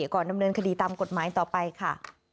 ก่อนดำเนินคดีตามกฎหมายต่อไปค่ะ